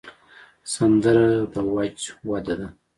سندره د وجد وده ده